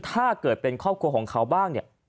ถ้าเกิดเป็นครอบครัวของเขาบ้างเนี่ย